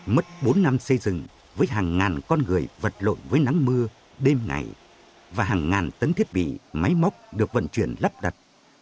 mất bốn năm xây dựng với hàng ngàn con người vật lộn với nắng mưa đêm ngày và hàng ngàn tấn thiết bị máy móc được vận chuyển lắp đặt